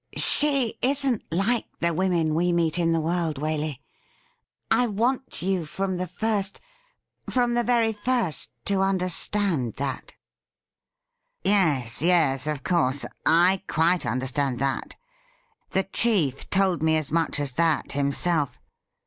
' She isn't like the women we meet in the world, Waley. I want you from the first — from the very first — ^to under stand that.' 'Yes, yes, of course — I quite understand that. The chief told me as much as that himself.